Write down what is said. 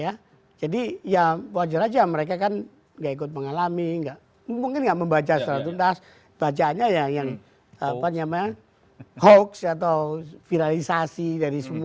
ya jadi ya wajar aja mereka kan gak ikut pengalami gak mungkin gak membaca seratus tas bacaannya yang apa namanya hoax atau viralisasi dari situ